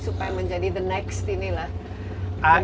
supaya menjadi the next ini lah